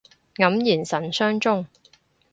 黯然神傷中